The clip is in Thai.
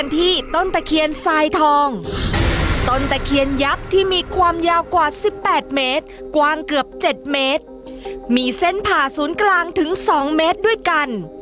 ที่มีความยาวกว่าสิบแปดเมตรกวางเกือบเจ็ดเมตรมีเส้นผ่าศูนย์กลางถึงสองเมตรด้วยกัน